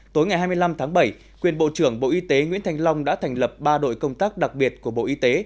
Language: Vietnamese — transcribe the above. tối ngày hai mươi năm tháng bảy quyền bộ trưởng bộ y tế nguyễn thành long đã thành lập ba đội công tác đặc biệt của bộ y tế